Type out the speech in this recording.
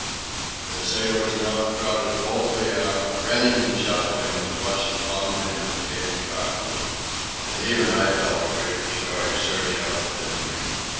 The sailors now crowded boldly aft, grinning and shuffling, to watch the pummelling of the hated Cockney. And even I felt a great joy surge up within me.